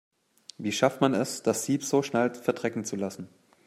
Wie schafft man es, das Sieb so schnell verdrecken zu lassen?